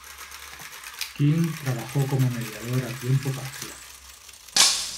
King trabajó como mediador a tiempo parcial.